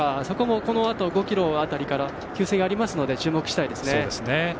そこもこのあと５ｋｍ辺りから給水がありますので注目したいです。